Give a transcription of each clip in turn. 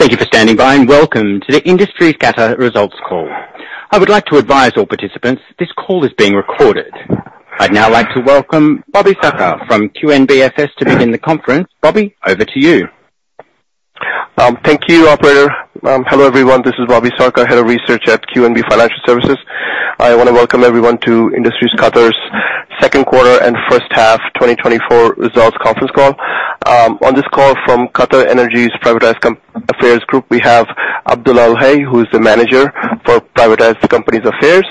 Thank you for standing by, welcome to the Industries Qatar results call. I would like to advise all participants this call is being recorded. I'd now like to welcome Bobby Sarkar from QNB FS to begin the conference. Bobby, over to you. Thank you, operator. Hello, everyone. This is Bobby Sarkar, Head of Research at QNB Financial Services. I want to welcome everyone to Industries Qatar's second quarter and first half 2024 results conference call. On this call from QatarEnergy's Privatized Affairs Group, we have Abdulla Al-Hay, who is the Manager for Privatized Companies Affairs,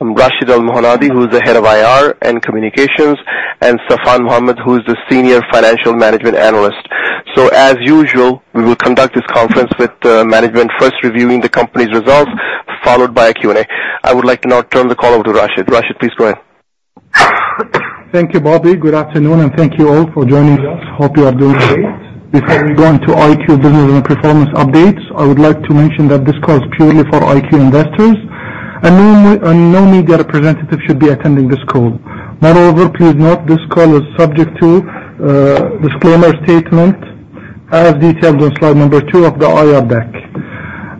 Rasheed Al Monadi, who is the Head of IR and Communications, and Safwan Mohammed, who is the Senior Financial Management Analyst. As usual, we will conduct this conference with management first reviewing the company's results, followed by a Q&A. I would like to now turn the call over to Rasheed. Rasheed, please go ahead. Thank you, Bobby. Good afternoon, thank you all for joining us. Hope you are doing great. Before we go into IQ business and performance updates, I would like to mention that this call is purely for IQ investors, no media representative should be attending this call. Moreover, please note this call is subject to a disclaimer statement as detailed on slide number two of the IR deck.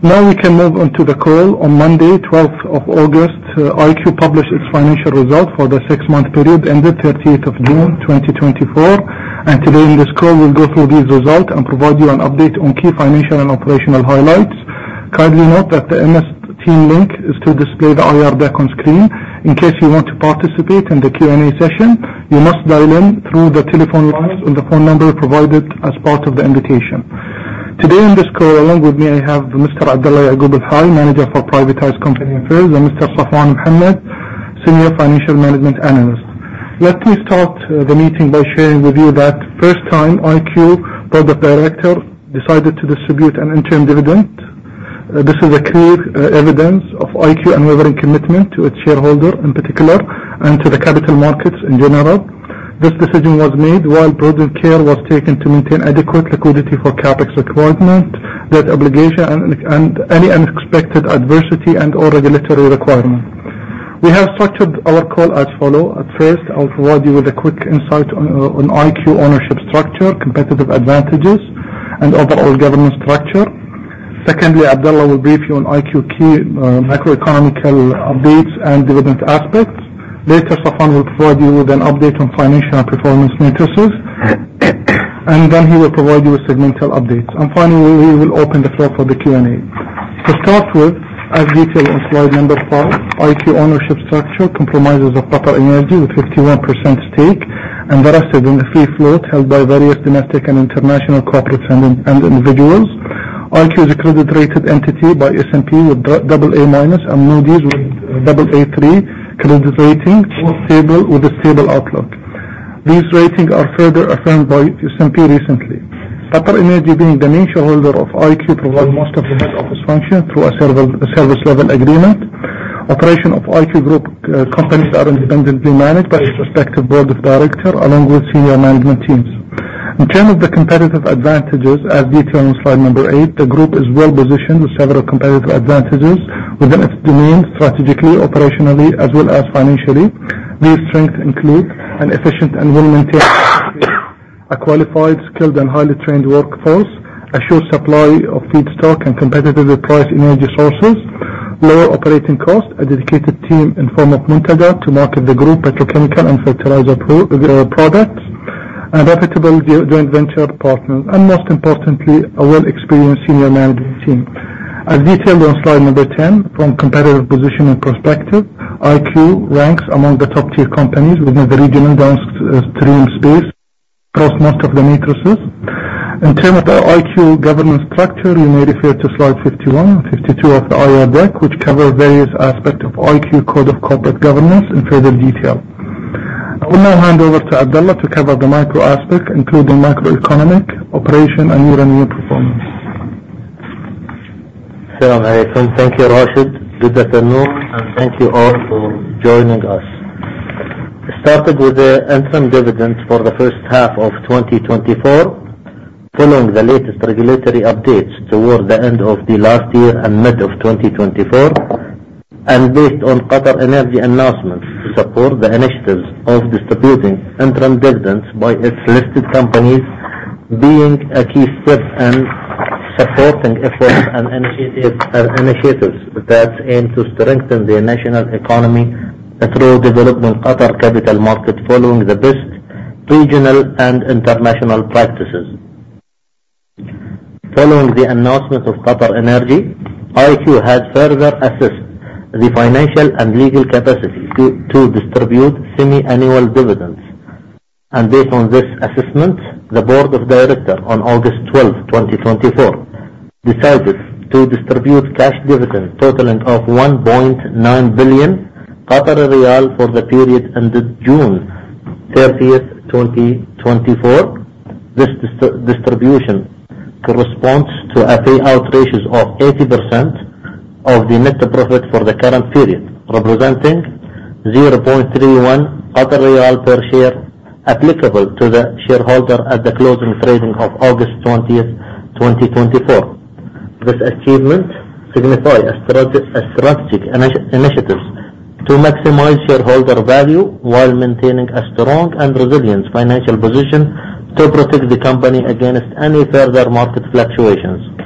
Now we can move on to the call. On Monday, 12th of August, IQ published its financial results for the six-month period ended 30th of June 2024. Today in this call, we'll go through these results and provide you an update on key financial and operational highlights. Kindly note that the MS Team link is to display the IR deck on screen. In case you want to participate in the Q&A session, you must dial in through the telephone lines on the phone number provided as part of the invitation. Today on this call, along with me, I have Mr. Abdulla Al-Hay, Manager for Privatized Company Affairs, and Mr. Safwan Mohammed, Senior Financial Management Analyst. Let me start the meeting by sharing with you that first time IQ board of director decided to distribute an interim dividend. This is a clear evidence of IQ unwavering commitment to its shareholder in particular, and to the capital markets in general. This decision was made while prudent care was taken to maintain adequate liquidity for CapEx requirement, debt obligation, and any unexpected adversity and/or regulatory requirement. We have structured our call as follow. At first, I'll provide you with a quick insight on IQ ownership structure, competitive advantages, and overall governance structure. Secondly, Abdulla will brief you on IQ key macroeconomic updates and development aspects. Later, Safwan will provide you with an update on financial and performance matrices, then he will provide you with segmental updates. Finally, we will open the floor for the Q&A. To start with, as detailed on slide number five, IQ ownership structure compromises of QatarEnergy with 51% stake, and the rest in the free float held by various domestic and international corporates and individuals. IQ is a credit-rated entity by S&P with double A minus, and Moody's with double A3 credit rating, both stable with a stable outlook. These ratings are further affirmed by S&P recently. QatarEnergy, being the main shareholder of IQ, provides most of the head office function through a service level agreement. Operation of IQ group companies are independently managed by its respective board of directors along with senior management teams. In terms of the competitive advantages, as detailed on slide number eight, the group is well-positioned with several competitive advantages within its domain, strategically, operationally, as well as financially. These strengths include an efficient and well-maintained a qualified, skilled, and highly trained workforce, a sure supply of feedstock and competitively priced energy sources, lower operating costs, a dedicated team in form of Muntajat to market the group petrochemical and fertilizer products, and reputable joint venture partners. Most importantly, a well-experienced senior management team. As detailed on slide number 10, from competitive position and perspective, IQ ranks among the top-tier companies within the region and downstream space across most of the matrices. In terms of the IQ governance structure, you may refer to slide 51 and 52 of the IR deck which cover various aspects of IQ code of corporate governance in further detail. I will now hand over to Abdulla to cover the macro aspects, including macroeconomic, operation, and year-on-year performance. Thank you, Rasheed. Good afternoon, and thank you all for joining us. We started with the interim dividends for the first half of 2024. Following the latest regulatory updates towards the end of the last year and mid of 2024, and based on QatarEnergy announcements to support the initiatives of distributing interim dividends by its listed companies being a key step in supporting efforts and initiatives that aim to strengthen the national economy through developing Qatar capital market following the best regional and international practices. Following the announcement of QatarEnergy, IQ has further assessed the financial and legal capacity to distribute semi-annual dividends. Based on this assessment, the board of directors on August 12th, 2024, decided to distribute cash dividend totaling of 1.9 billion riyal for the period ended June 30th, 2024. This distribution corresponds to a payout ratio of 80% of the net profit for the current period, representing 0.31 per share applicable to the shareholder at the closing trading of August 20th, 2024. This achievement signifies strategic initiatives to maximize shareholder value while maintaining a strong and resilient financial position to protect the company against any further market fluctuations.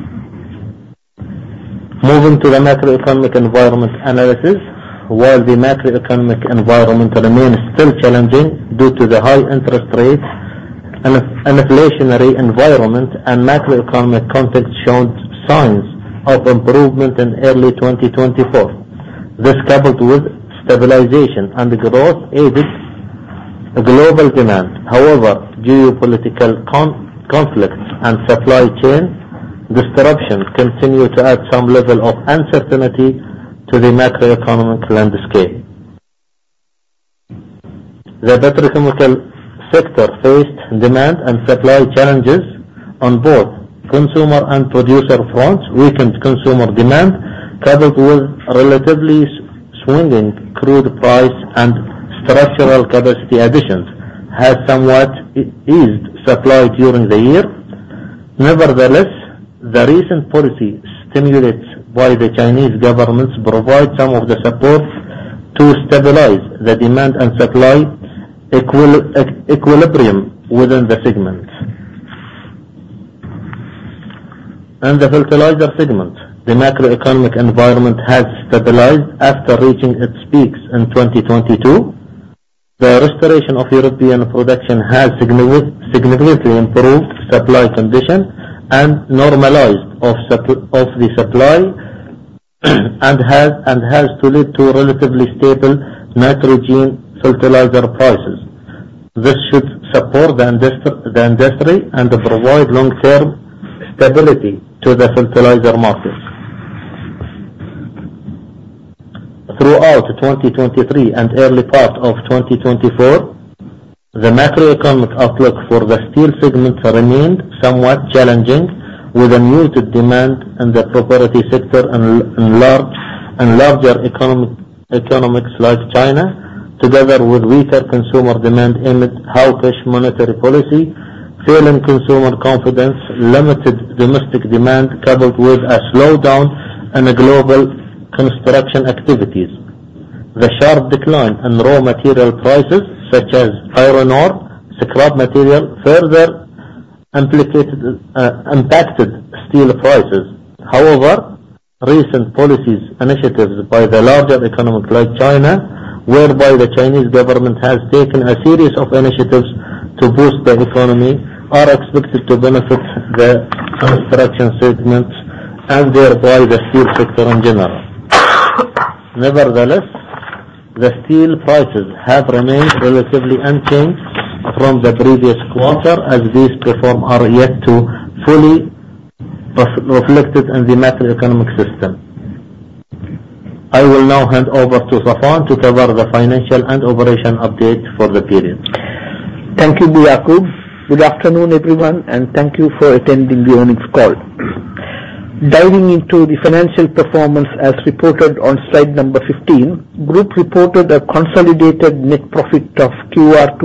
Moving to the macroeconomic environment analysis. While the macroeconomic environment remains still challenging due to the high interest rates, an inflationary environment and macroeconomic context showed signs of improvement in early 2024. This coupled with stabilization and growth aided global demand. Geopolitical conflicts and supply chain disruptions continue to add some level of uncertainty to the macroeconomic landscape. The petrochemical sector faced demand and supply challenges on both consumer and producer fronts, weakened consumer demand, coupled with relatively swinging crude price and structural capacity additions, has somewhat eased supply during the year. The recent policy stimulus by the Chinese governments provide some of the support to stabilize the demand and supply equilibrium within the segment. In the fertilizer segment, the macroeconomic environment has stabilized after reaching its peaks in 2022. The restoration of European production has significantly improved supply conditions and normalized of the supply, and has to lead to relatively stable nitrogen fertilizer prices. This should support the industry and provide long-term stability to the fertilizer market. Throughout 2023 and early part of 2024, the macroeconomic outlook for the steel segment remained somewhat challenging, with a muted demand in the property sector in larger economies like China, together with weaker consumer demand amid hawkish monetary policy, failing consumer confidence, limited domestic demand, coupled with a slowdown in the global construction activities. The sharp decline in raw material prices such as iron ore, scrap material, further impacted steel prices. Recent policies initiatives by the larger economies like China, whereby the Chinese government has taken a series of initiatives to boost the economy, are expected to benefit the construction segment and thereby the steel sector in general. The steel prices have remained relatively unchanged from the previous quarter, as these reforms are yet to fully reflected in the macroeconomic system. I will now hand over to Safwan to cover the financial and operation update for the period. Thank you, Yaqub. Good afternoon, everyone, and thank you for attending the earnings call. Diving into the financial performance as reported on slide number 15, group reported a consolidated net profit of 2.3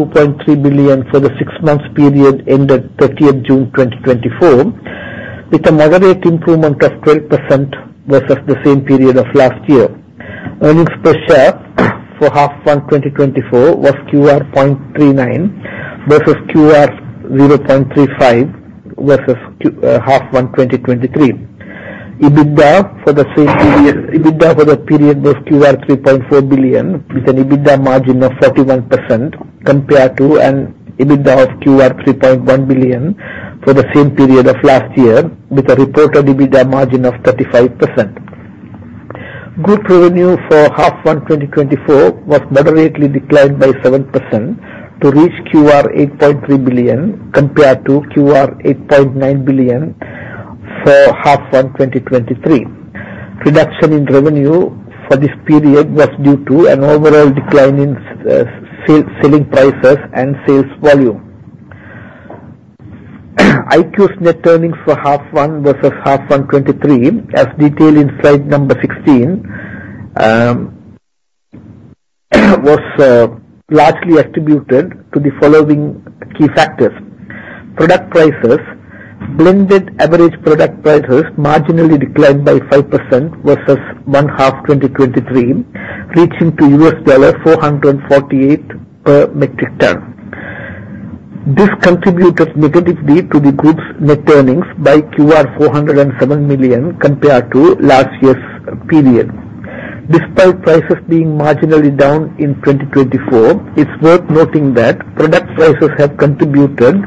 billion for the six months period ended 30th June 2024, with a moderate improvement of 12% versus the same period of last year. Earnings per share for half one 2024 was 0.39 versus 0.35 versus half one 2023. EBITDA for the period was 3.4 billion, with an EBITDA margin of 31%, compared to an EBITDA of 3.1 billion for the same period of last year, with a reported EBITDA margin of 35%. Group revenue for half one 2024 was moderately declined by 7% to reach 8.3 billion compared to 8.9 billion for half one 2023. Reduction in revenue for this period was due to an overall decline in selling prices and sales volume. IQ's net earnings for half one versus half one 2023, as detailed in slide 16, was largely attributed to the following key factors. Product prices. Blended average product prices marginally declined by 5% versus one half 2023, reaching to US$448 per metric ton. This contributed negatively to the group's net earnings by 407 million compared to last year's period. Despite prices being marginally down in 2024, it's worth noting that product prices have contributed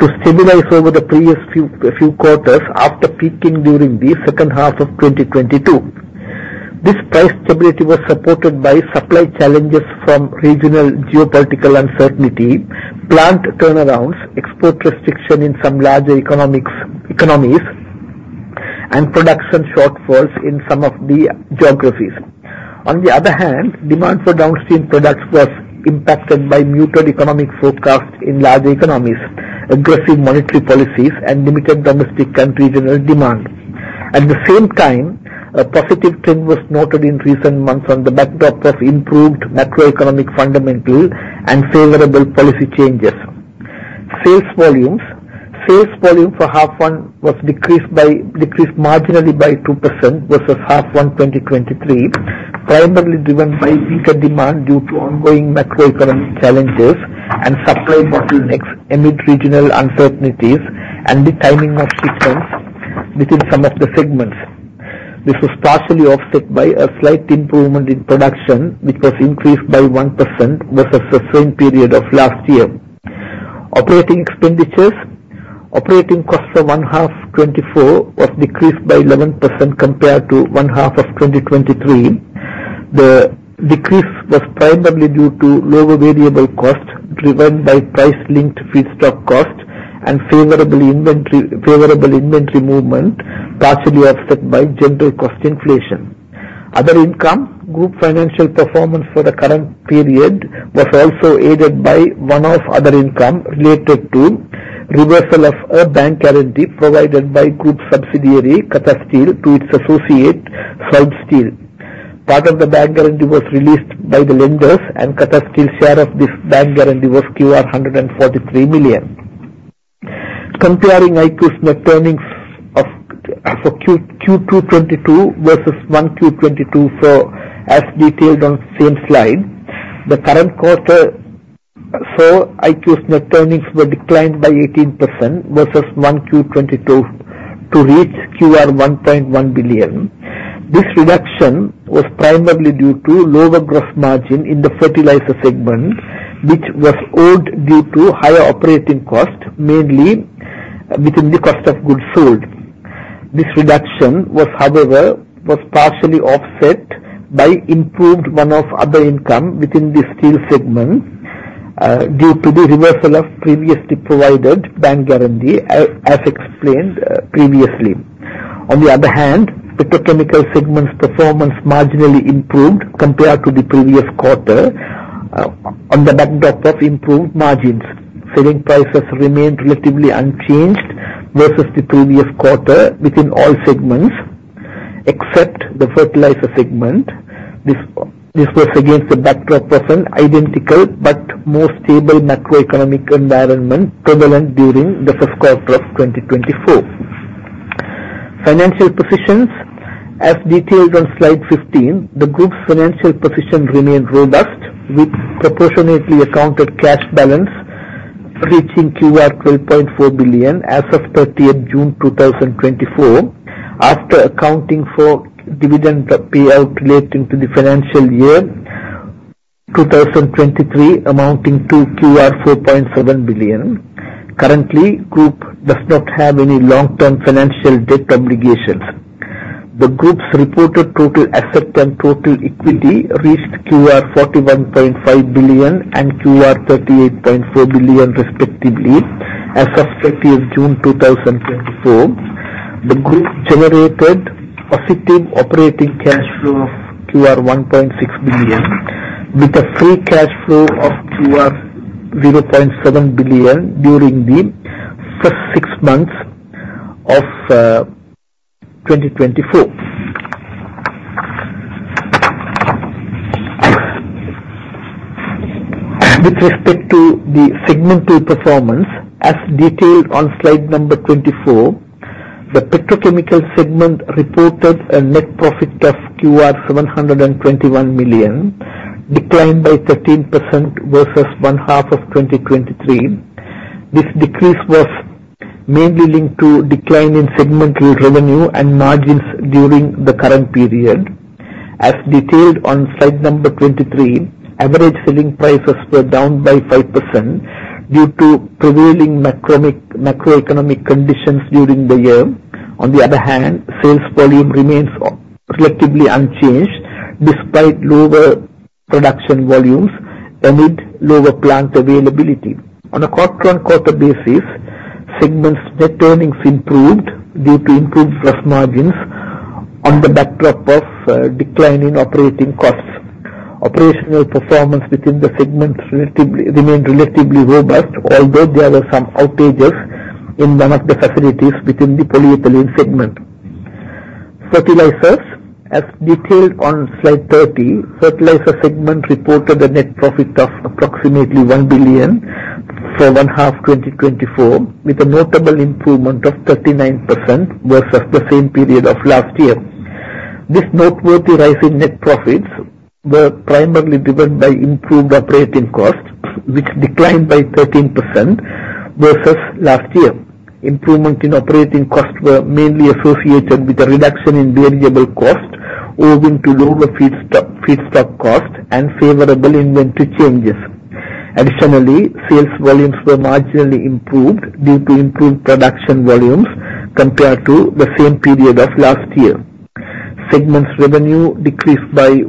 to stabilize over the previous few quarters after peaking during the second half of 2022. This price stability was supported by supply challenges from regional geopolitical uncertainty, plant turnarounds, export restriction in some larger economies, and production shortfalls in some of the geographies. On the other hand, demand for downstream products was impacted by muted economic forecasts in large economies, aggressive monetary policies, and limited domestic and regional demand. At the same time, a positive trend was noted in recent months on the backdrop of improved macroeconomic fundamentals and favorable policy changes. Sales volumes. Sales volume for half one decreased marginally by 2% versus half one 2023, primarily driven by weaker demand due to ongoing macroeconomic challenges and supply bottlenecks amid regional uncertainties and the timing of shipments within some of the segments. This was partially offset by a slight improvement in production, which was increased by 1% versus the same period of last year. Operating expenditures. Operating costs for one half 2024 were decreased by 11% compared to one half of 2023. The decrease was primarily due to lower variable costs, driven by price-linked feedstock costs and favorable inventory movement, partially offset by general cost inflation. Other income. Group financial performance for the current period was also aided by one-off other income related to reversal of a bank guarantee provided by group subsidiary, Qatar Steel, to its associate, Saud Steel. Part of the bank guarantee was released by the lenders, and Qatar Steel's share of this bank guarantee was 143 million. Comparing IQ's net earnings for Q2 2022 versus Q2 2022 as detailed on the same slide. The current quarter saw IQ's net earnings were declined by 18% versus Q2 2022 to reach 1.1 billion. This reduction was primarily due to lower gross margin in the fertilizer segment, which was owed due to higher operating costs, mainly within the cost of goods sold. This reduction, however, was partially offset by improved one-off other income within the steel segment due to the reversal of previously provided bank guarantee, as explained previously. On the other hand, petrochemical segment's performance marginally improved compared to the previous quarter on the backdrop of improved margins. Selling prices remained relatively unchanged versus the previous quarter within all segments except the fertilizer segment. This was against the backdrop of an identical but more stable macroeconomic environment prevalent during the first quarter of 2024. Financial positions. As detailed on slide 15, the group's financial position remained robust, with proportionately accounted cash balance reaching 12.4 billion as of 30th June 2024, after accounting for dividend payout relating to the financial year 2023 amounting to 4.7 billion. Currently, group does not have any long-term financial debt obligations. The group's reported total assets and total equity reached 41.5 billion and 38.4 billion respectively as of 30th June 2024. The group generated positive operating cash flow of 1.6 billion with a free cash flow of 0.7 billion during the first six months of 2024. With respect to the segmental performance, as detailed on slide number 24, the petrochemical segment reported a net profit of 721 million, declined by 13% versus one half of 2023. This decrease was mainly linked to decline in segmental revenue and margins during the current period. As detailed on slide number 23, average selling prices were down by 5% due to prevailing macroeconomic conditions during the year. On the other hand, sales volume remains relatively unchanged despite lower production volumes amid lower plant availability. On a quarter-on-quarter basis, segment's net earnings improved due to improved gross margins on the backdrop of a decline in operating costs. Operational performance within the segment remained relatively robust, although there were some outages in one of the facilities within the polyethylene segment. Fertilizers. As detailed on slide 30, fertilizer segment reported a net profit of approximately 1 billion for one half 2024, with a notable improvement of 39% versus the same period of last year. This noteworthy rise in net profits was primarily driven by improved operating costs, which declined by 13% versus last year. Improvement in operating costs were mainly associated with a reduction in variable costs owing to lower feedstock cost and favorable inventory changes. Additionally, sales volumes were marginally improved due to improved production volumes compared to the same period of last year. Segment's revenue decreased by 2%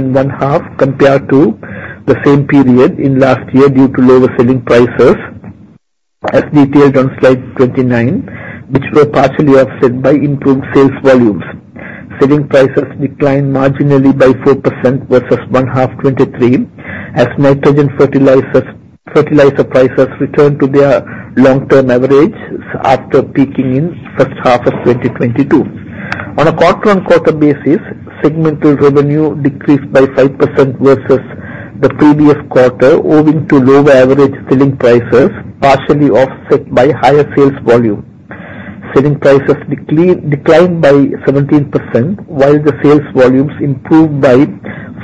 in one half compared to the same period in last year due to lower selling prices, as detailed on slide 29, which were partially offset by improved sales volumes. Selling prices declined marginally by 4% versus one half 2023 as nitrogen fertilizer prices returned to their long-term average after peaking in the first half of 2022. On a quarter-on-quarter basis, segmental revenue decreased by 5% versus the previous quarter, owing to lower average selling prices, partially offset by higher sales volume. Selling prices declined by 17%, while the sales volumes improved by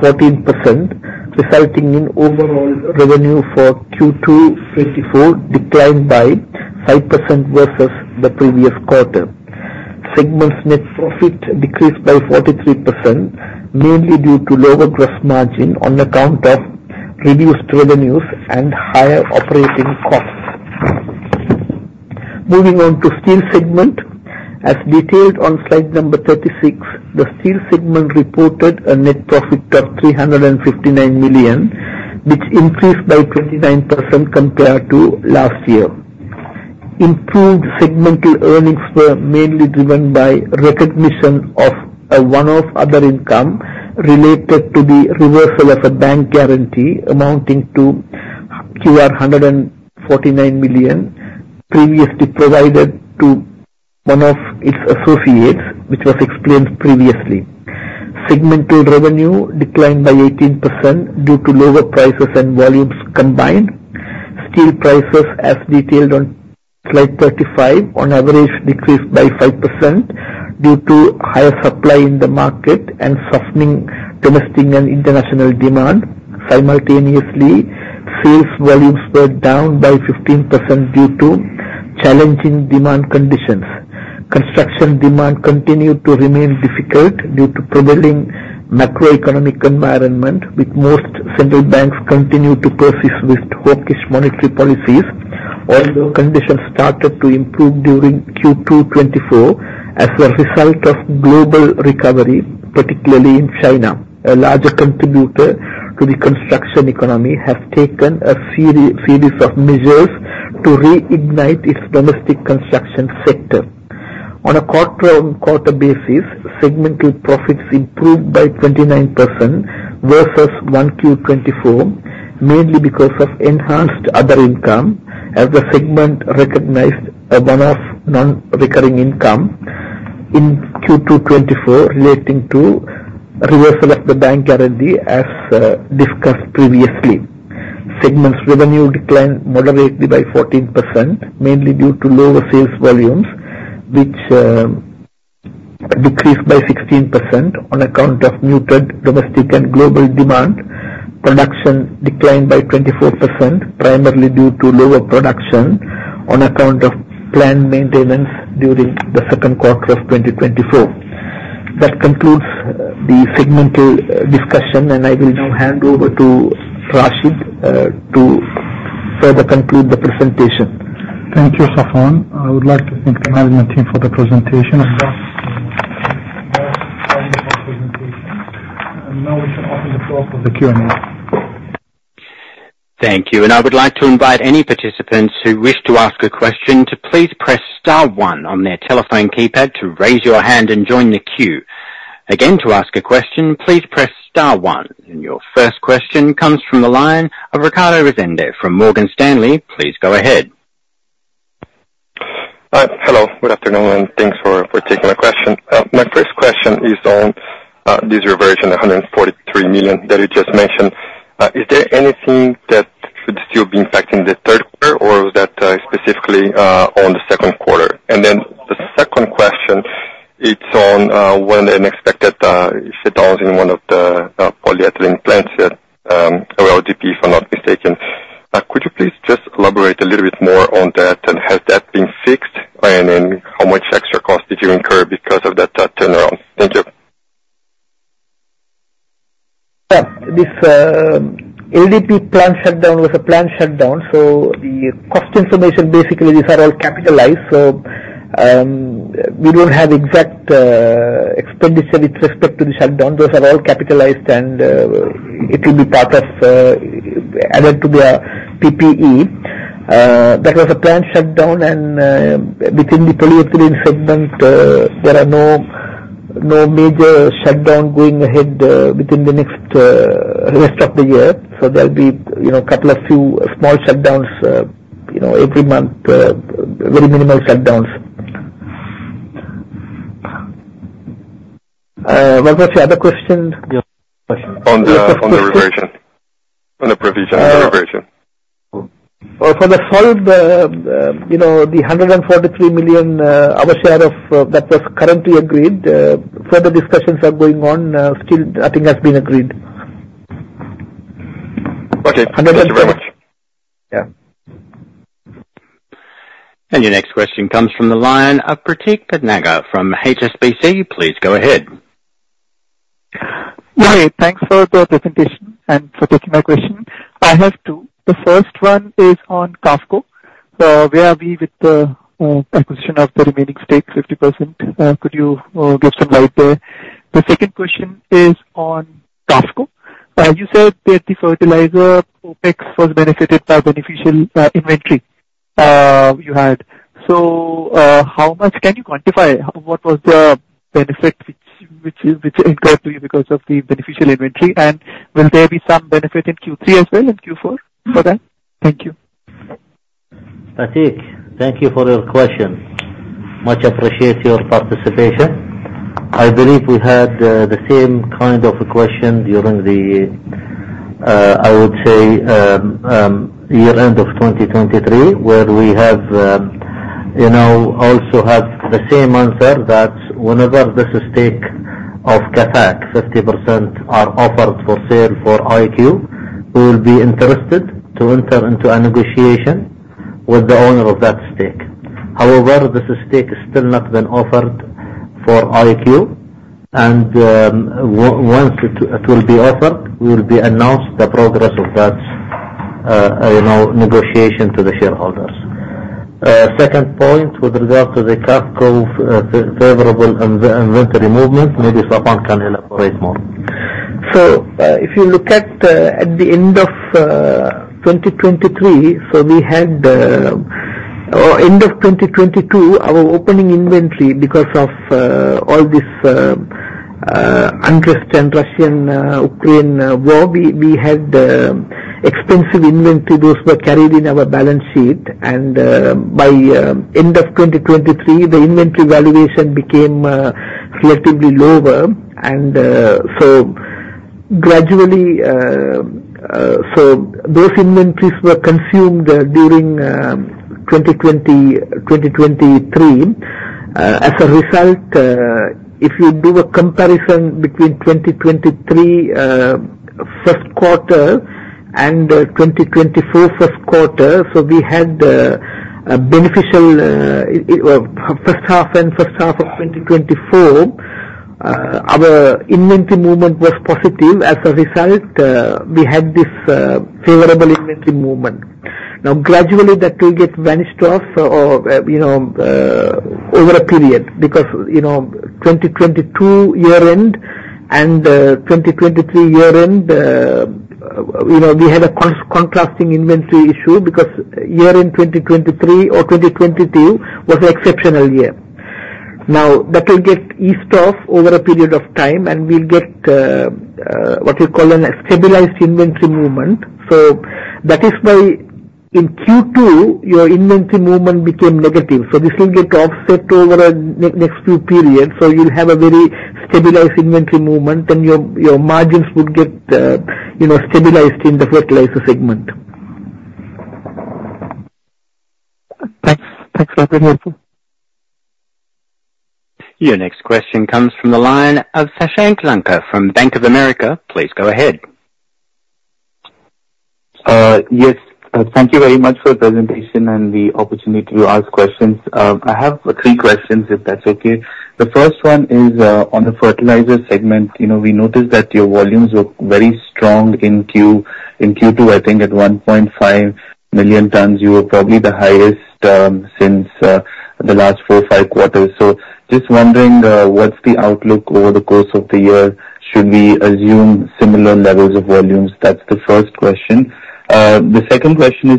14%, resulting in overall revenue for Q2 2024 declined by 5% versus the previous quarter. Segment's net profit decreased by 43%, mainly due to lower gross margin on account of reduced revenues and higher operating costs. Moving on to steel segment. As detailed on slide number 36, the steel segment reported a net profit of 359 million, which increased by 29% compared to last year. Improved segmental earnings were mainly driven by recognition of a one-off other income related to the reversal of a bank guarantee amounting to 149 million previously provided to one of its associates, which was explained previously. Segmental revenue declined by 18% due to lower prices and volumes combined. Steel prices, as detailed on slide 35, on average decreased by 5% due to higher supply in the market and softening domestic and international demand. Simultaneously, sales volumes were down by 15% due to challenging demand conditions. Construction demand continued to remain difficult due to prevailing macroeconomic environment, with most central banks continue to persist with hawkish monetary policies. Although conditions started to improve during Q2 2024 as a result of global recovery, particularly in China, a larger contributor to the construction economy has taken a series of measures to reignite its domestic construction sector. On a quarter-on-quarter basis, segmental profits improved by 29% versus 1Q 2024, mainly because of enhanced other income as the segment recognized a one-off non-recurring income in Q2 2024 relating to reversal of the bank guarantee, as discussed previously. Segment's revenue declined moderately by 14%, mainly due to lower sales volumes, which decreased by 16% on account of muted domestic and global demand. Production declined by 24%, primarily due to lower production on account of planned maintenance during the second quarter of 2024. That concludes the segmental discussion, I will now hand over to Rashid to further conclude the presentation. Thank you, Safwan. I would like to thank the management team for the presentation. Now we can open the floor for the Q&A. Thank you. I would like to invite any participants who wish to ask a question to please press star one on their telephone keypad to raise your hand and join the queue. Again, to ask a question, please press star one. Your first question comes from the line of Ricardo Rezende from Morgan Stanley. Please go ahead. Hello. Good afternoon, thanks for taking my question. My first question is on this reversion, 143 million that you just mentioned. Is there anything that should still be impacting the third quarter, or is that specifically on the second quarter? The second question, it's on when an unexpected shutdown in one of the polyethylene plants at LDPE, if I'm not mistaken. Could you please just elaborate a little bit more on that, and has that been fixed? How much extra cost did you incur because of that turnaround? Thank you. This LDPE plant shutdown was a planned shutdown, so the cost information, basically, these are all capitalized. We don't have exact expenditure with respect to the shutdown. Those are all capitalized and it will be added to their PPE. That was a planned shutdown, and within the polyethylene segment, there are no major shutdown going ahead within the next rest of the year. There'll be a couple of few small shutdowns every month. Very minimal shutdowns. What was your other question? On the reversion. On the provision and reversion. For the sold, the 143 million, our share of that was currently agreed. Further discussions are going on. Still nothing has been agreed. Okay. Thank you very much. Yeah. Your next question comes from the line of Prateek Bhatnagar from HSBC. Please go ahead. Hi. Thanks for the presentation and for taking my question. I have two. The first one is on QAFCO. Where are we with the acquisition of the remaining stake, 50%? Could you give some light there? The second question is on QAFCO. You said that the fertilizer OpEx was benefited by beneficial inventory you had. How much can you quantify? What was the benefit which incurred to you because of the beneficial inventory? Will there be some benefit in Q3 as well and Q4 for that? Thank you. Prateek, thank you for your question. Much appreciate your participation. I believe we had the same kind of question during the, I would say, year-end of 2023, where we have also had the same answer that whenever this stake of QatarEnergy, 50% are offered for sale for IQ, we will be interested to enter into a negotiation with the owner of that stake. However, this stake has still not been offered for IQ and once it will be offered, we will be announcing the progress of that negotiation to the shareholders. Second point with regard to the QatarEnergy's favorable inventory movement, maybe Safwan can elaborate more. If you look at the end of 2023, or end of 2022, our opening inventory, because of all this unrest and Russian-Ukraine war, we had expensive inventory. Those were carried in our balance sheet. By end of 2023, the inventory valuation became relatively lower. Gradually, those inventories were consumed during 2023. As a result, if you do a comparison between 2023 first quarter and 2024 first quarter, we had a beneficial first half and first half of 2024, our inventory movement was positive. As a result, we had this favorable inventory movement. Gradually, that will get vanished off over a period because 2022 year-end and 2023 year-end, we had a contrasting inventory issue because year-end 2023 or 2022 was an exceptional year. That will get eased off over a period of time, and we'll get what we call a stabilized inventory movement. That is why in Q2, your inventory movement became negative. This will get offset over the next few periods. You'll have a very stabilized inventory movement, and your margins would get stabilized in the fertilizer segment. Thanks. That's very helpful. Your next question comes from the line of Shashank Lanka from Bank of America. Please go ahead. Yes. Thank you very much for the presentation and the opportunity to ask questions. I have three questions, if that's okay. The first one is on the fertilizer segment. We noticed that your volumes were very strong in Q2. I think at 1.5 million tons, you were probably the highest since the last four or five quarters. Just wondering what's the outlook over the course of the year? Should we assume similar levels of volumes? That's the first question. The second question is,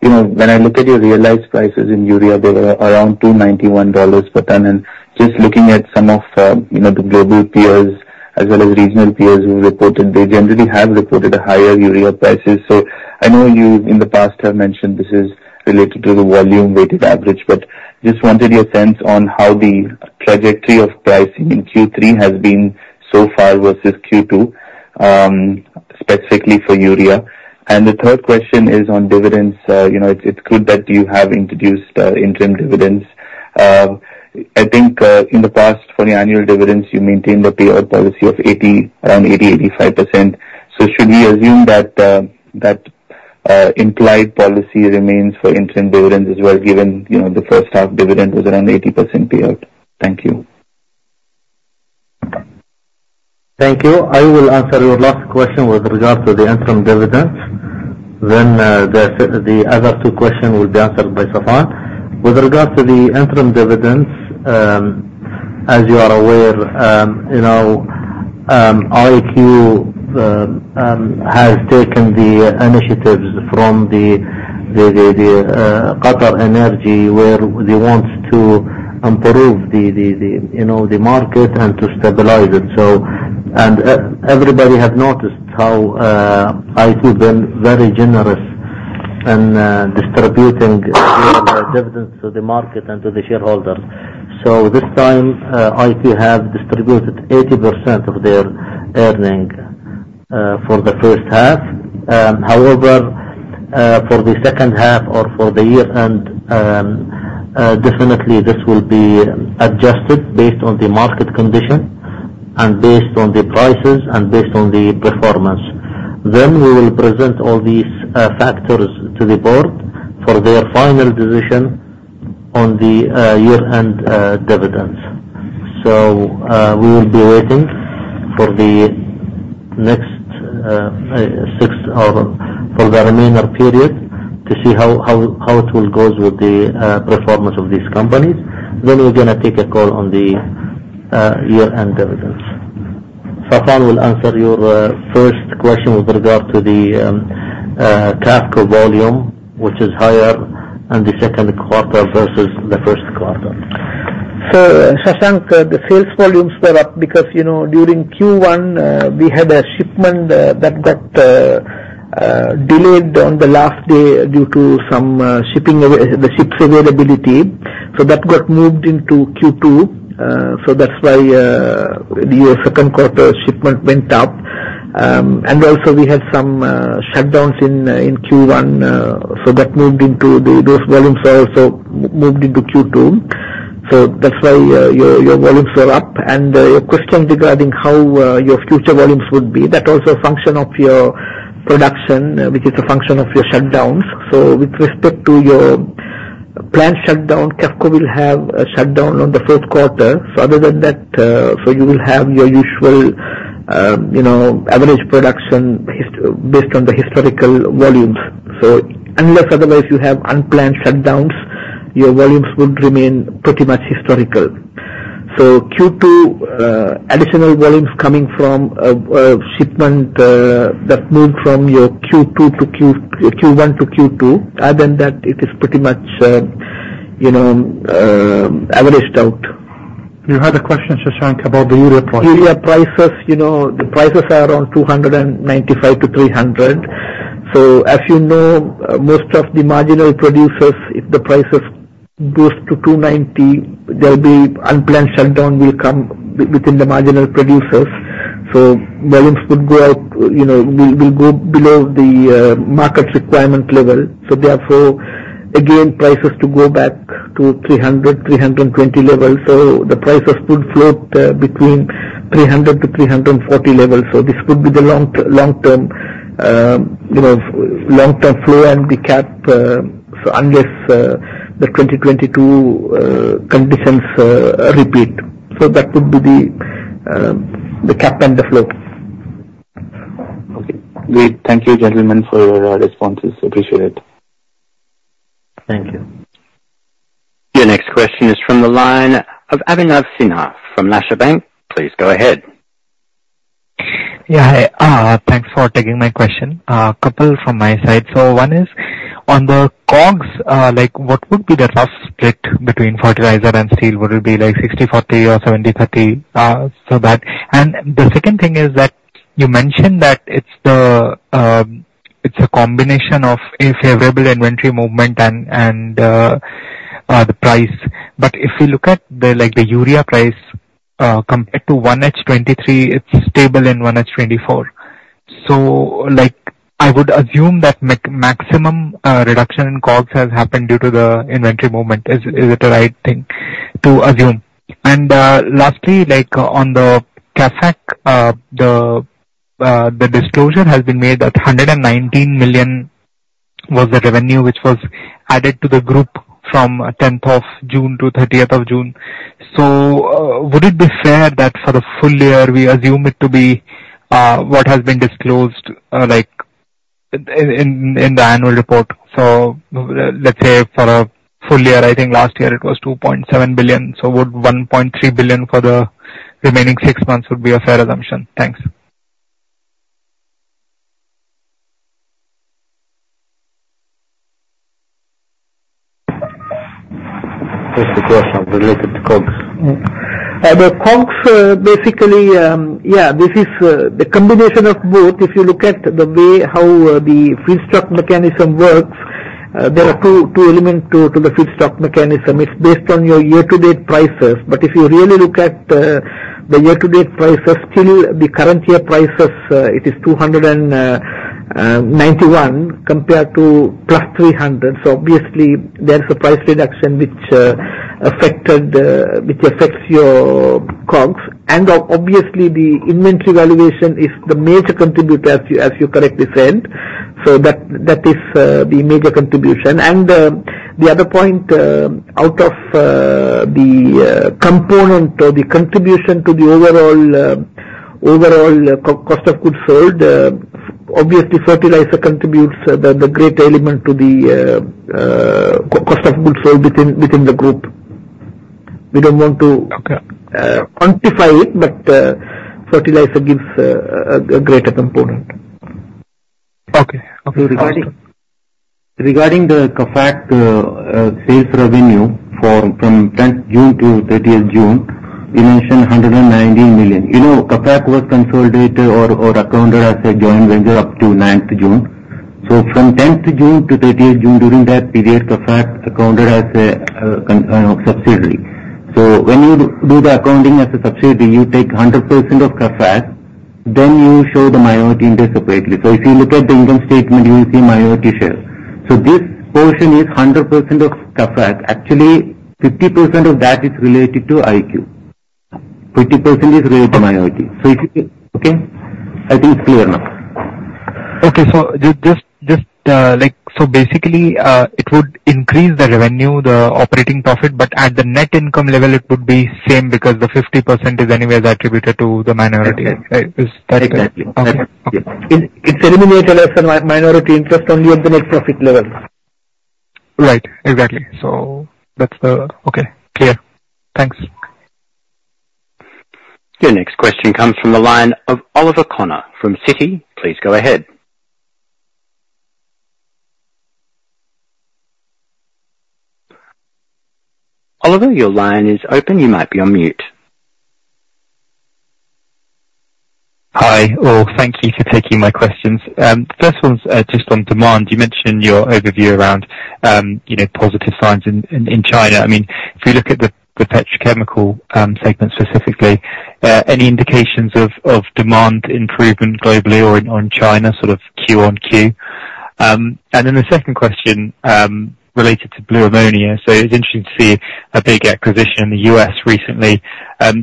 when I look at your realized prices in urea, they were around QAR 291 per ton. Just looking at some of the global peers as well as regional peers who reported, they generally have reported higher urea prices. I know you, in the past, have mentioned this is related to the volume-weighted average, but just wanted your sense on how the trajectory of pricing in Q3 has been so far versus Q2, specifically for urea. The third question is on dividends. It's good that you have introduced interim dividends. I think in the past, for the annual dividends, you maintained a payout policy of around 80%-85%. Should we assume that implied policy remains for interim dividends as well, given the first half dividend was around 80% payout? Thank you. Thank you. I will answer your last question with regards to the interim dividends. The other two questions will be answered by Safwan. With regards to the interim dividends, as you are aware, IQ has taken the initiatives from the QatarEnergy, where they want to improve the market and to stabilize it. Everybody has noticed how IQ been very generous in distributing dividends to the market and to the shareholders. This time, IQ have distributed 80% of their earnings for the first half. However, for the second half or for the year-end, definitely this will be adjusted based on the market condition and based on the prices and based on the performance. We will present all these factors to the board for their final decision on the year-end dividends. We will be waiting for the next six or for the remainder period to see how it will goes with the performance of these companies. We're going to take a call on the year-end dividends. Sathath will answer your first question with regard to the QAFCO volume, which is higher in the second quarter versus the first quarter. Shashank, the sales volumes were up because during Q1, we had a shipment that got delayed on the last day due to some ship's availability. That got moved into Q2. That's why your second quarter shipment went up. Also we had some shutdowns in Q1, those volumes are also moved into Q2. That's why your volumes are up. Your question regarding how your future volumes would be, that was a function of your production, which is a function of your shutdowns. With respect to your planned shutdown, QAFCO will have a shutdown on the fourth quarter. Other than that, you will have your usual average production based on the historical volumes. Unless otherwise you have unplanned shutdowns, your volumes would remain pretty much historical. Q2 additional volumes coming from a shipment that moved from your Q1 to Q2. Other than that, it is pretty much averaged out. You had a question, Shashank, about the urea prices. Urea prices. The prices are around $295-$300. As you know, most of the marginal producers, if the prices goes to $290, there'll be unplanned shutdown will come within the marginal producers. Volumes will go below the market requirement level. Therefore again, prices to go back to $300-$320 level. The prices could float between $300-$340 levels. This could be the long term flow and the cap, unless the 2022 conditions repeat. That would be the cap and the flow. Okay. We thank you gentlemen for your responses. Appreciate it. Thank you. Your next question is from the line of Abhinav Sinha from Nasher Bank. Please go ahead. Yeah. Thanks for taking my question. A couple from my side. One is on the COGS, what would be the rough split between fertilizer and steel? Would it be like 60/40 or 70/30? The second thing is that you mentioned that it's a combination of a favorable inventory movement and the price. If you look at the urea price compared to 1H23, it's stable in 1H24. I would assume that maximum reduction in COGS has happened due to the inventory movement. Is it the right thing to assume? Lastly, on the QAFCO, the disclosure has been made that 119 million was the revenue which was added to the group from 10th of June to 30th of June. Would it be fair that for the full year we assume it to be what has been disclosed in the annual report? Let's say for a full year, I think last year it was 2.7 billion. Would 1.3 billion for the remaining six months be a fair assumption? Thanks. First the question related to COGS. The COGS, basically, this is the combination of both. If you look at the way how the feedstock mechanism works, there are two elements to the feedstock mechanism. It's based on your year-to-date prices. If you really look at the year-to-date prices, still the current year prices, it is 291 compared to +300. Obviously there's a price reduction which affects your COGS. The inventory valuation is the major contributor as you correctly said. That is the major contribution. The other point, out of the component or the contribution to the overall cost of goods sold, obviously fertilizer contributes the great element to the cost of goods sold within the group. Okay quantify it, fertilizer gives a greater component. Okay. Regarding the QAFCO sales revenue from 10th June to 30th June, you mentioned 190 million. You know QAFCO was consolidated or accounted as a joint venture up to 9th June. From 10th June to 30th June during that period, QAFCO accounted as a subsidiary. When you do the accounting as a subsidiary, you take 100% of QAFCO, then you show the minority interest separately. If you look at the income statement, you will see minority share. This portion is 100% of QAFCO. Actually, 50% of that is related to IQ. 50% is related to minority. Okay? I think it's clear now. Okay. Basically, it would increase the revenue, the operating profit, but at the net income level it would be same because the 50% is anyways attributed to the minority. Exactly. Okay. It's eliminated as a minority interest only at the net profit level. Right. Exactly. Okay. Clear. Thanks. Your next question comes from the line of Oliver Connor from Citi. Please go ahead. Oliver, your line is open. You might be on mute. Hi. Thank you for taking my questions. The first one's just on demand. You mentioned in your overview around positive signs in China. If we look at the petrochemical segment specifically, any indications of demand improvement globally or in China, sort of Q on Q? And then the second question related to Blue Ammonia. It's interesting to see a big acquisition in the U.S. recently.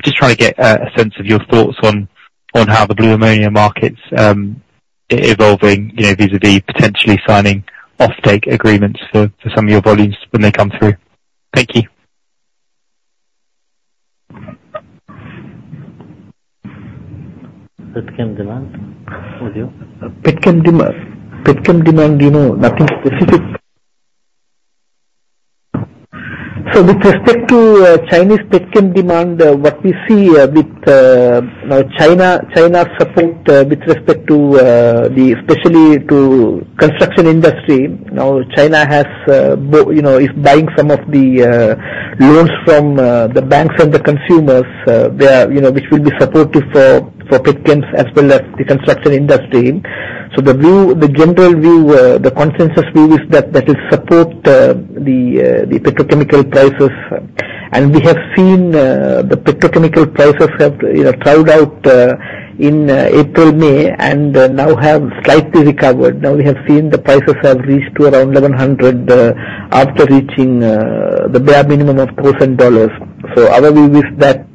Just trying to get a sense of your thoughts on how the Blue Ammonia market's evolving, vis-a-vis potentially signing offtake agreements for some of your volumes when they come through. Thank you. Petchem demand? How was it? Petchem demand, nothing specific. With respect to Chinese petchem demand, what we see with China's support, with respect especially to construction industry, China is buying some of the loans from the banks and the consumers, which will be supportive for petchems as well as the construction industry. The general view, the consensus view is that will support the petrochemical prices. We have seen the petrochemical prices have plowed out in April, May, and now have slightly recovered. We have seen the prices have reached to around 1,100 after reaching the bare minimum of QAR 1,000. Our view is that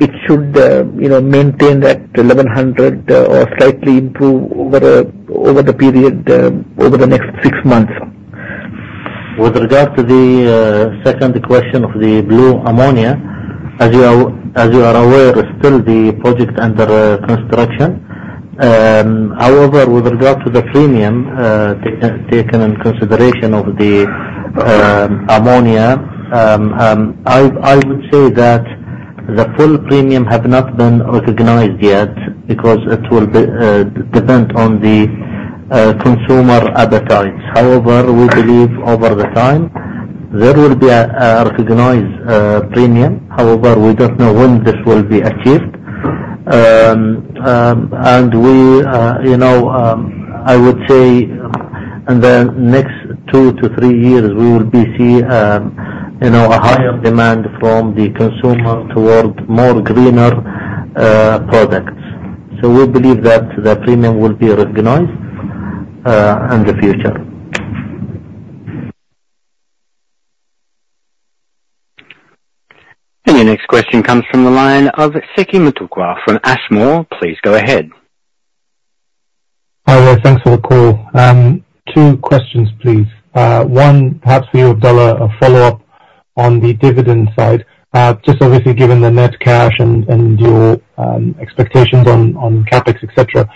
it should maintain that 1,100 or slightly improve over the next six months. With regard to the second question of the Blue Ammonia, as you are aware, still the project under construction. With regard to the premium, taken in consideration of the Ammonia, I would say that the full premium have not been recognized yet because it will depend on the consumer appetite. We believe over the time, there will be a recognized premium. We don't know when this will be achieved. I would say in the next two to three years, we will be seeing a higher demand from the consumer towards more greener products. We believe that the premium will be recognized in the future. Your next question comes from the line of Seki Motokawa from Ashmore. Please go ahead. Hi there. Thanks for the call. Two questions, please. One, perhaps for you, Abdulla, a follow-up on the dividend side. Just obviously given the net cash and your expectations on CapEx, et cetera,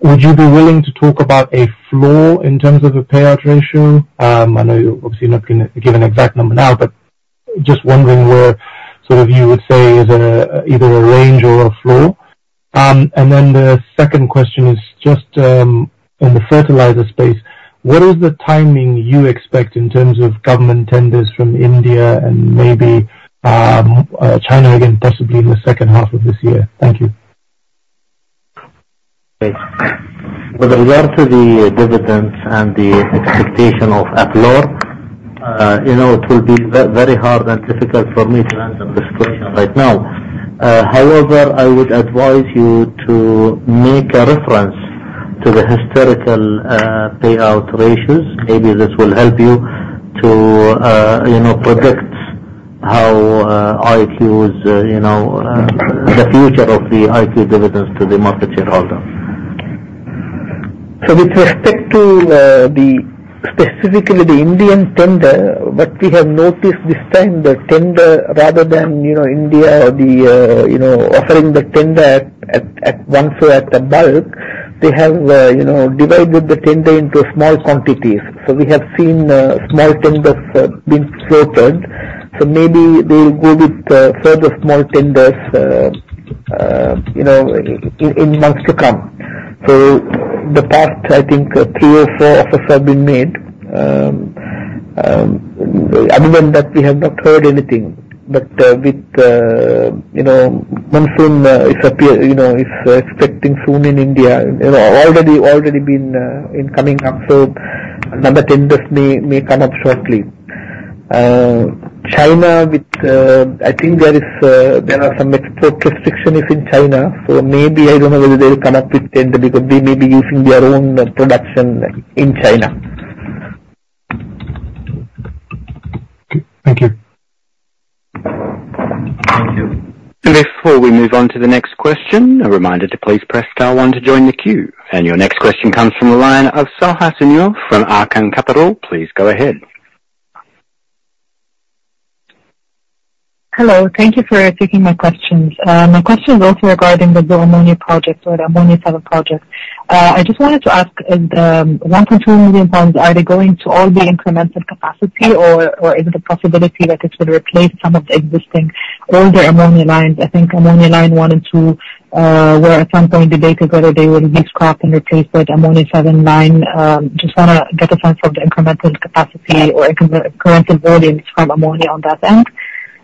would you be willing to talk about a floor in terms of a payout ratio? I know you're obviously not going to give an exact number now, but just wondering where you would say is either a range or a floor. The second question is just on the fertilizer space. What is the timing you expect in terms of government tenders from India and maybe China again, possibly in the second half of this year? Thank you. With regard to the dividends and the expectation of a floor, it will be very hard and difficult for me to answer this question right now. However, I would advise you to make a reference to the historical payout ratios. Maybe this will help you to predict how IQ is, the future of the IQ dividends to the market shareholder. With respect to specifically the Indian tender, what we have noticed this time, the tender rather than India offering the tender at once or at the bulk, they have divided the tender into small quantities. We have seen small tenders being floated. Maybe they will go with further small tenders in months to come. The past, I think three or four offers have been made. Other than that, we have not heard anything. With monsoon, it's expecting soon in India, already been incoming. Another tender may come up shortly. China, I think there are some export restrictions in China. Maybe, I don't know whether they'll come up with tender because they may be using their own production in China. Okay. Thank you. Thank you. Before we move on to the next question, a reminder to please press star one to join the queue. Your next question comes from the line of Sarwat Anjum from Arca Capital, please go ahead. Hello. Thank you for taking my questions. My question is also regarding the Blue Ammonia project or the Ammonia 7 project. I just wanted to ask, the QAR 1.2 million, are they going to all be incremental capacity, or is it a possibility that it will replace some of the existing older Ammonia lines? I think Ammonia line 1 and 2, where at some point, did they consider they would be scrapped and replaced with Ammonia 7 and 9. Just want to get a sense of the incremental capacity or incremental volumes from Ammonia on that end.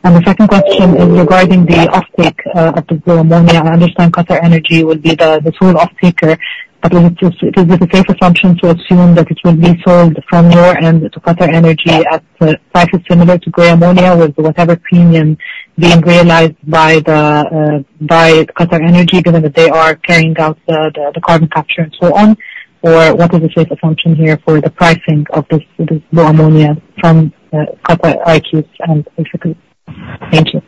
The second question is regarding the off-take of the Blue Ammonia. I understand QatarEnergy will be the full off-taker, but is it a safe assumption to assume that it will be sold from your end to QatarEnergy at prices similar to gray Ammonia with whatever premium being realized by QatarEnergy, given that they are carrying out the carbon capture and so on? What is the safe assumption here for the pricing of this Blue Ammonia from Qatar IQ and Ras Laffan? Thank you.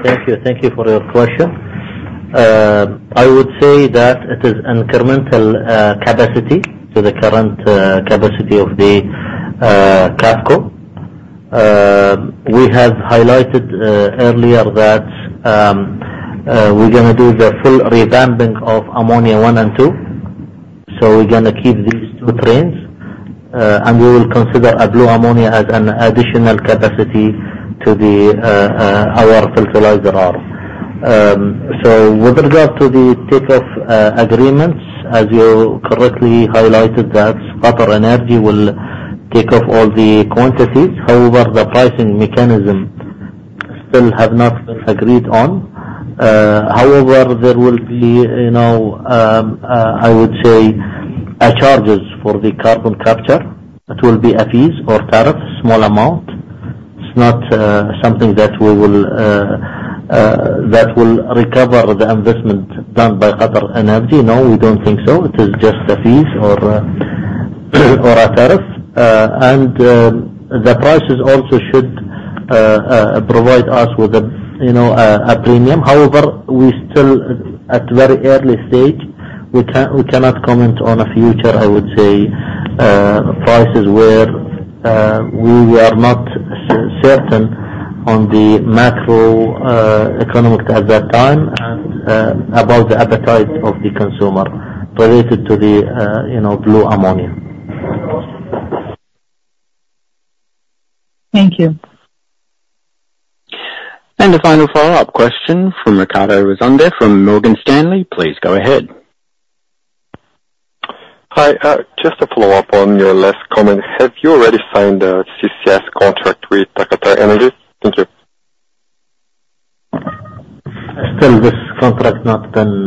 Thank you. Thank you for your question. I would say that it is incremental capacity to the current capacity of the QAFCO. We have highlighted earlier that we're going to do the full revamping of ammonia one and two. We're going to keep these two trains. We will consider our Blue Ammonia as an additional capacity to our fertilizer. With regard to the take-off agreements, as you correctly highlighted that QatarEnergy will take off all the quantities. However, the pricing mechanism still has not been agreed on. However, there will be, I would say, charges for the carbon capture that will be a fees or tariff, small amount. It's not something that will recover the investment done by QatarEnergy. No, we don't think so. It is just a fees or a tariff. The prices also should provide us with a premium. However, we're still at very early stage. We cannot comment on a future, I would say, prices where we are not certain on the macroeconomics at that time and about the appetite of the consumer related to the Blue Ammonia. Thank you. The final follow-up question from Ricardo Rezende from Morgan Stanley. Please go ahead. Hi. Just a follow-up on your last comment. Have you already signed a CCS contract with QatarEnergy? Thank you. Still this contract not been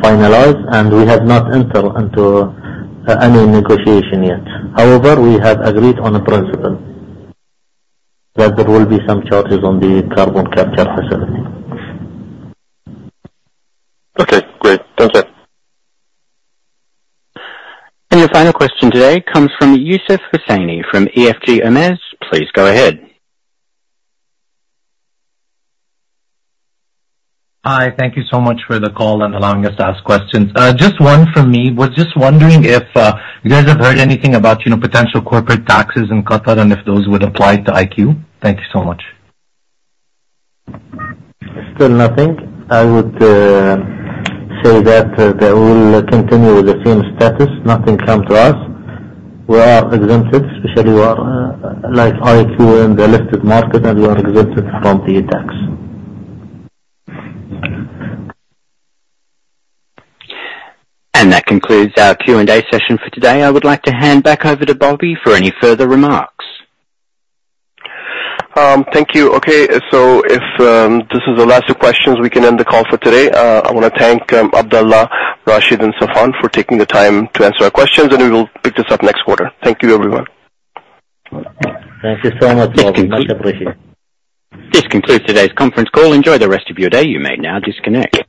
finalized. We have not entered into any negotiation yet. However, we have agreed on a principle that there will be some charges on the carbon capture facility. Okay, great. Thanks. Your final question today comes from Yousef Husseini from EFG Hermes. Please go ahead. Hi. Thank you so much for the call and allowing us to ask questions. Just one from me. Was just wondering if you guys have heard anything about potential corporate taxes in Qatar and if those would apply to IQ? Thank you so much. Still nothing. I would say that they will continue with the same status. Nothing come to us. We are exempted, especially like IQ in the listed market, and we are exempted from the tax. That concludes our Q&A session for today. I would like to hand back over to Bobby for any further remarks. Thank you. Okay, if this is the last two questions, we can end the call for today. I want to thank Abdulla, Rashid, and Safwan for taking the time to answer our questions, and we will pick this up next quarter. Thank you, everyone. Thank you so much. Much appreciate. This concludes today's conference call. Enjoy the rest of your day. You may now disconnect.